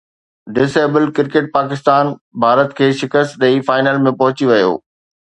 dis abled cricket Pakistan Bharat کي شڪست ڏئي فائنل ۾ پهچي ويو